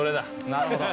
なるほど。